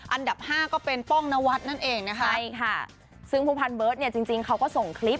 อันดับห้าก็เป็นป้องนวัดนั่นเองนะคะใช่ค่ะซึ่งผู้พันเบิร์ตเนี่ยจริงจริงเขาก็ส่งคลิป